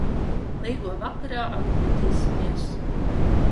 Līgo vakarā atpūtīsimies.